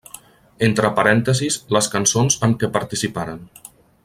Entre parèntesis les cançons amb què participaren.